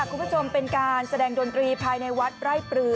คุณผู้ชมเป็นการแสดงดนตรีภายในวัดไร่ปลือ